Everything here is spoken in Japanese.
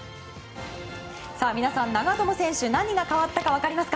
皆さん、長友選手何が変わったか分かりますか。